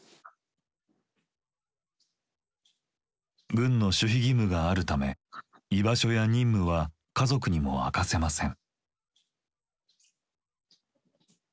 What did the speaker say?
軍の守秘義務があるため居場所や任務は家族にも明かせません。